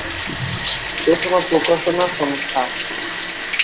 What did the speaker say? প্রথমা প্রকাশনা সংস্থা।